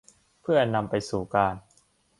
เพื่อนำไปสู่การ